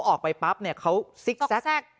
ออกไปปั๊บเนี่ยเขาซิกแทรก